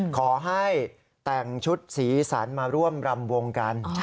ขอให้แต่งชุดสีสันมาร่วมรำวงกัน